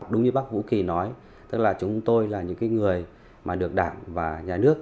đúng như bác vũ kỳ nói chúng tôi là những người được đảng và nhà nước